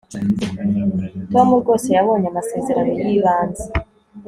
tom rwose yabonye amasezerano yibanze